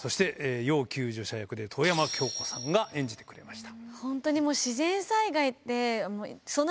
要救助者役で遠山景織子さんが演じてくれました。